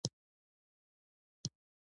او پښتون د خپل اکثريت بګتۍ ږغوي.